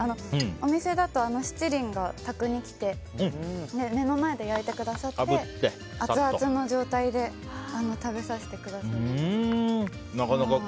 お店だと、七輪が卓に来て、目の前で焼いてくださってアツアツの状態で食べさせてくださるんです。